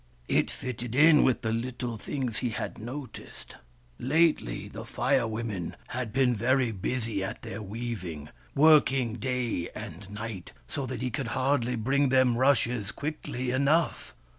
It fitted in with little things he had noticed. Lately the Fire Women had been very busy at their weaving, working night and day, so that he could hardly bring them rushes quickly enough.